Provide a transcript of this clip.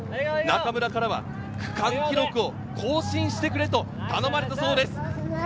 中村からは区間記録を更新してくれと頼まれたそうです。